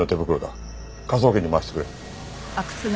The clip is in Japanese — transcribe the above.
科捜研に回してくれ。